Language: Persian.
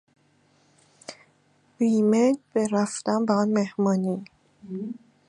بیمیل به رفتن به آن مهمانی